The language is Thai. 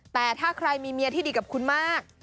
แต่ถ้าใครมีเมียที่ดีกับคุณมาก